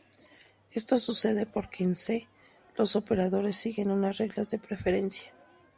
Esto sucede porque en C, los operadores siguen unas reglas de preferencia.